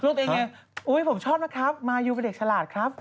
รูปเองอย่างนี้โอ๊ยผมชอบนะครับมายูเป็นเด็กฉลาดครับ